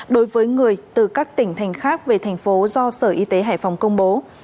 đối với người từ các tỉnh thành khác về thành phố do sở y tế hải phòng công bố